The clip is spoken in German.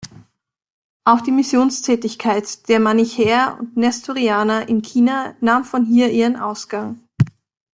Auch die Missionstätigkeit der Manichäer und Nestorianer in China nahm von hier ihren Ausgang.